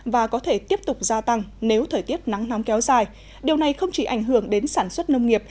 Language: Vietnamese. và có thể tiếp tục gia tăng nếu thời tiết nắng nóng kéo dài điều này không chỉ ảnh hưởng đến sản xuất nông nghiệp